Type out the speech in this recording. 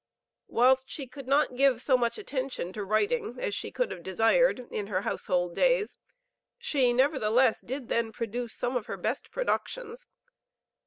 Whilst she could not give so much attention to writing as she could have desired in her household days, she, nevertheless, did then produce some of her best productions.